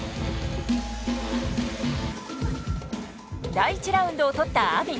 第１ラウンドを取ったＡＭＩ。